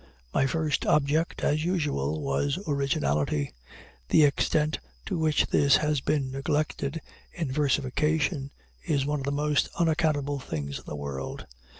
My first object (as usual) was originality. The extent to which this has been neglected, in versification, is one of the most unaccountable things in the world.